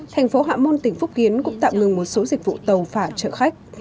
thành phố hạ môn tỉnh phúc kiến cũng tạm ngừng một số dịch vụ tàu phả trợ khách